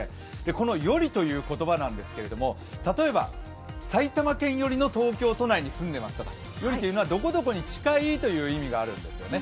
この「寄り」という言葉なんですけど、例えば埼玉県寄りの東京に住んでいますとか、「寄り」というのは、どこどこに近いという意味があるんですよね。